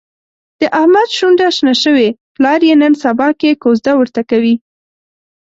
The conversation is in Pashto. د احمد شونډه شنه شوې، پلار یې نن سباکې کوزده ورته کوي.